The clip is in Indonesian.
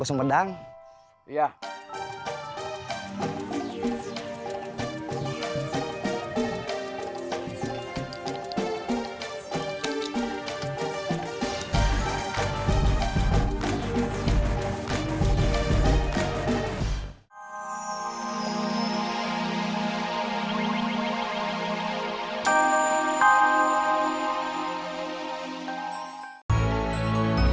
kalaipun saya mau keluar